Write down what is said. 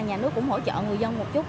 nhà nước cũng hỗ trợ người dân một chút